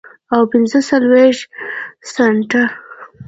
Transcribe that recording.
او پنځه څلوېښت سنټه